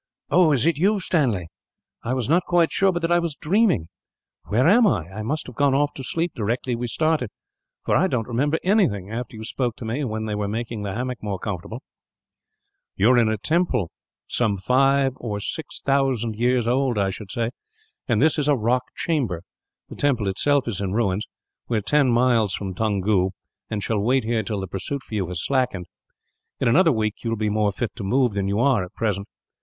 "Oh, is it you, Stanley? I was not quite sure but that I was dreaming. Where am I? I must have gone off to sleep, directly we started; for I don't remember anything, after you spoke to me when they were making the hammock more comfortable." "You are in a temple some four or five thousand years old, I should say and this is a rock chamber. The temple itself is in ruins. We are ten miles from Toungoo, and shall wait here till the pursuit for you has slackened. In another week, you will be more fit to move than you are, at present.